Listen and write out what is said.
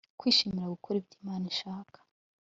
kwishimira gukora ibyo imana ishaka